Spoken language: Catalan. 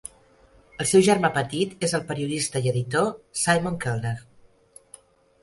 El seu germà petit és el periodista i editor Simon Kelner.